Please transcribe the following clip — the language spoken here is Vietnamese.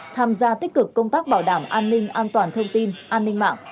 tham gia tích cực công tác bảo đảm an ninh an toàn thông tin an ninh mạng